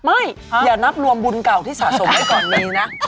อย่านับรวมบุญเก่าที่สะสมไว้ก่อนดีนะ